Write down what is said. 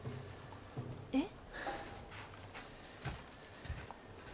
えっ？